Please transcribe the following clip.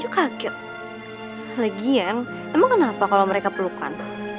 kenapa kalau mereka pelukan